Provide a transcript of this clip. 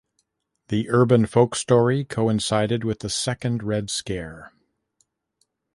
The urban folk story coincided with the Second Red Scare.